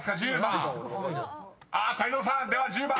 ［泰造さんでは１０番］